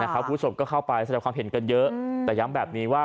คุณผู้ชมก็เข้าไปแสดงความเห็นกันเยอะแต่ย้ำแบบนี้ว่า